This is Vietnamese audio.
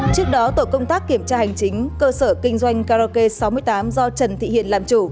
trước đó tổ công tác kiểm tra hành chính cơ sở kinh doanh karaoke sáu mươi tám do trần thị hiền làm chủ